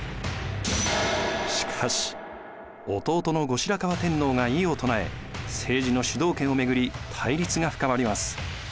しかし弟の後白河天皇が異を唱え政治の主導権を巡り対立が深まります。